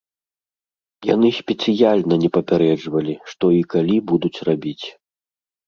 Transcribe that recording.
Яны спецыяльна не папярэджвалі, што і калі будуць рабіць.